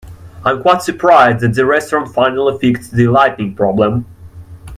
I am quite surprised that the restaurant finally fixed the lighting problem.